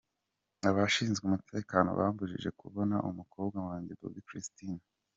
Abashinzwe umutekano bambujije kubona umukobwa wanjye Bobbi-Kristina.